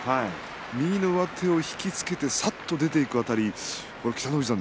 右の上手を引き付けてさっと出ていく辺り北の富士さん